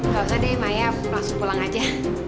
gak usah deh maya langsung pulang aja